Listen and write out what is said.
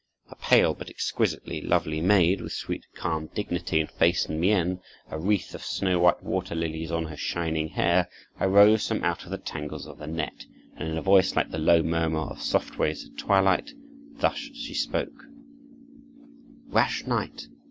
A pale but exquisitely lovely maid, with sweet, calm dignity in face and mien, a wreath of snow white water lilies on her shining hair, arose from out the tangles of the net, and in a voice like the low murmur of soft waves at twilight, thus she spoke: "Rash knight!